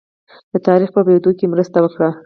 د تاریخ په پوهېدو کې مرسته وکړي.